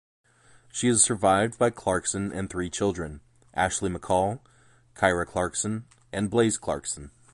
She is survived by Clarkson and three children-Ashley McCall, Kyra Clarkson and Blaise Clarkson.